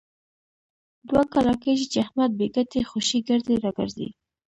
دوه کاله کېږي، چې احمد بې ګټې خوشې ګرځي را ګرځي.